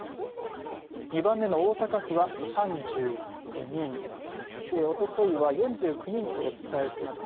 ２番目の大阪府は３９人おとといは４９人とお伝えしました。